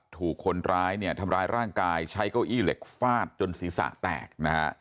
ถูกคนร้ายเนี่ยทำร้ายร่างกายใช้เก้าอี้เหล็กฟาดจนศีรษะแตกนะฮะ